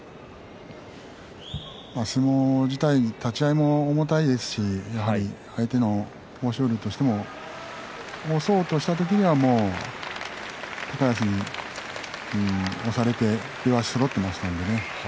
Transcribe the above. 相撲自体、立ち合いも重たいですし相手の豊昇龍としても押そうとした時にはもう高安に押されて両足そろっていましたからね。